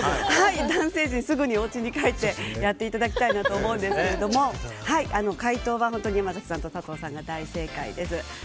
男性陣、すぐにおうちに帰ってやっていただきたいと思うんですが回答は本当に山崎さんと佐藤さんが大正解です。